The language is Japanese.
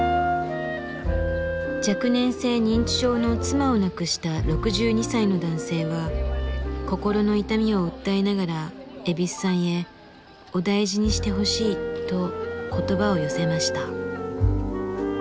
若年性認知症の妻を亡くした６２歳の男性は心の痛みを訴えながら蛭子さんへ「お大事にしてほしい」と言葉を寄せました。